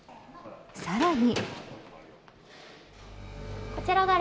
更に。